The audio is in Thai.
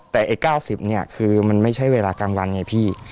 แต่ไอ้๙๐เนี่ยคือมันไม่ใช่เวลากลางวันไงพี่